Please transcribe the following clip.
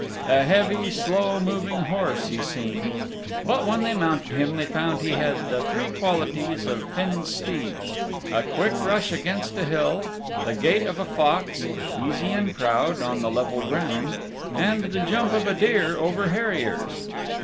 A heavy, slow moving horse he seemed. But when they mounted him they found he had the three qualities of Finn's steeds a quick rush against a hill, the gait of a fox, easy and proud, on the level ground, and the jump of a deer over harriers.